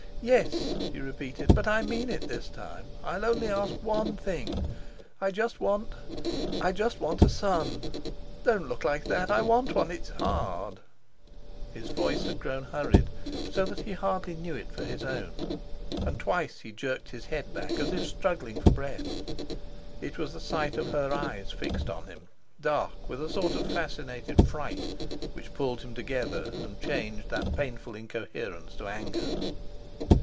"Yes," he repeated, "but I mean it this time. I'll only ask one thing. I just want—I just want a son. Don't look like that! I want one. It's hard." His voice had grown hurried, so that he hardly knew it for his own, and twice he jerked his head back as if struggling for breath. It was the sight of her eyes fixed on him, dark with a sort of fascinated fright, which pulled him together and changed that painful incoherence to anger.